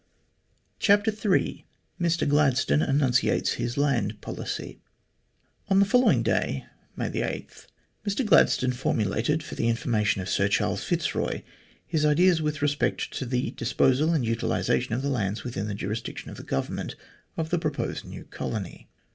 CHAPTER III MR GLADSTONE ENUNCIATES HIS LAND POLICY ON the following day, May 8, Mr Gladstone formulated, for the information of Sir Charles Fitzroy, his ideas with respect to the disposal and utilisation of the lands within the jurisdiction of the government of the proposed new colony.